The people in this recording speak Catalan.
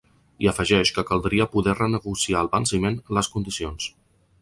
I afegeix que caldria poder renegociar al venciment les condicions.